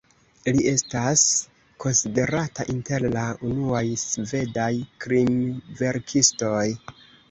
Li estas konsiderata inter la unuaj svedaj krimverkistoj.